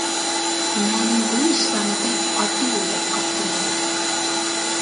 مەن بۇ ئىشلارنى بەك ئاددىي ئويلاپ قاپتىمەن.